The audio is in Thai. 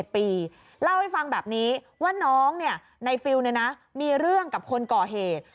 พี่ก็ไปฟังแบบนี้ว่าน้องเนี่ยในฟิลล์เนี่ยนะมีเรื่องกับคนก่อเหตุ